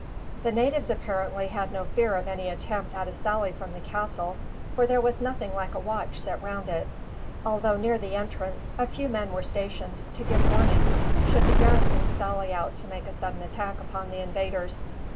The natives apparently had no fear of any attempt at a sally from the castle, for there was nothing like a watch set round it; although near the entrance a few men were stationed, to give warning should the garrison sally out to make a sudden attack upon the invaders.